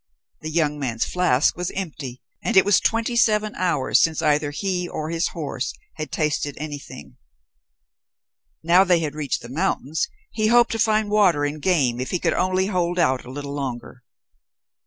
The young man's flask was empty, and it was twenty seven hours since either he or his horse had tasted anything. Now they had reached the mountains he hoped to find water and game if he could only hold out a little longer.